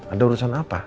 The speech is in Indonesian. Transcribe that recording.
ada urusan apa